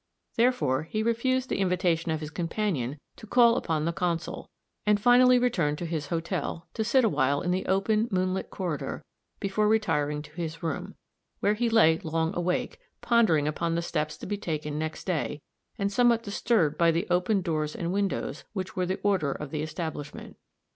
Therefore he refused the invitation of his companion to call upon the consul; and finally returned to his hotel, to sit awhile in the open, moonlit corridor, before retiring to his room, where he lay long awake, pondering upon the steps to be taken next day, and somewhat disturbed by the open doors and windows, which were the order of the establishment.